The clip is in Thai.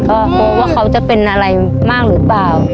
ก็กลัวว่าเขาจะเป็นอะไรมากหรือเปล่า